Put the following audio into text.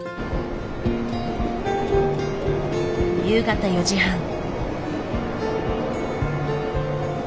夕方４時半。